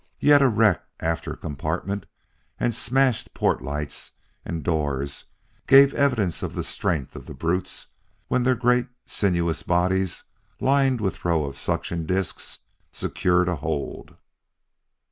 Yet a wrecked after compartment and smashed port lights and doors gave evidence of the strength of the brutes when their great sinuous bodies, lined with rows of suction discs, secured a hold.